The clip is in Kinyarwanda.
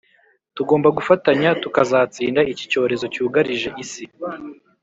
Tugomba gufatanya tukazatsinda iki cyorezo cyugarije isi